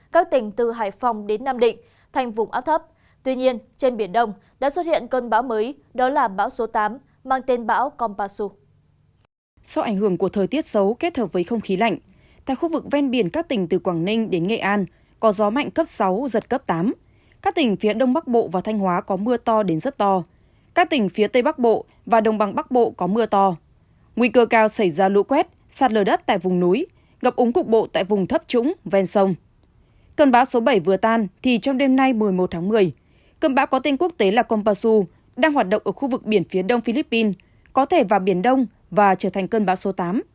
cơn bão số bảy vừa tan thì trong đêm nay một mươi một tháng một mươi cơn bão có tên quốc tế là kompasu đang hoạt động ở khu vực biển phía đông philippines có thể vào biển đông và trở thành cơn bão số tám